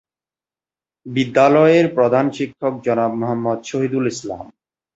বিদ্যালয়ের প্রধান শিক্ষক জনাব মোহাম্মদ শহিদুল ইসলাম।